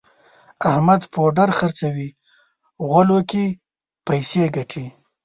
احمد پوډر خرڅوي غولو کې پیسې ګټي.